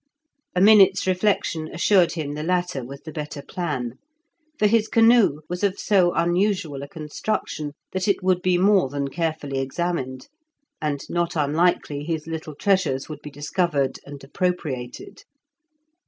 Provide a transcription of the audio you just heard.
A minute's reflection assured him the latter was the better plan, for his canoe was of so unusual a construction, that it would be more than carefully examined, and not unlikely his little treasures would be discovered and appropriated.